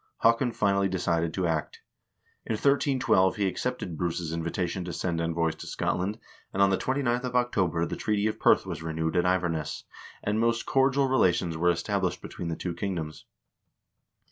Haakon finally decided to act. In 1312 he accepted Bruce's invita tion to send envoys to Scotland, and on the 29th of October the treaty of Perth was renewed at Iverness, and most cordial rela tions were established between the two kingdoms.